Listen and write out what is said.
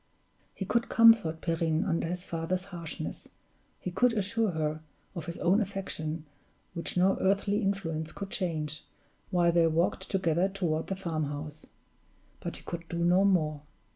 He could comfort Perrine under his father's harshness, he could assure her of his own affection, which no earthly influence could change, while they walked together toward the farmhouse; but he could do no more.